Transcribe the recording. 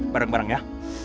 bareng bareng ya